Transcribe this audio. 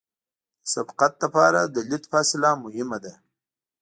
د سبقت لپاره د لید فاصله مهمه ده